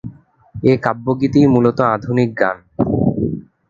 এ কাব্যগীতিই মূলত আধুনিক গান।